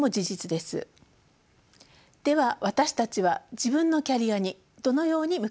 では私たちは自分のキャリアにどのように向き合えばよいのでしょうか。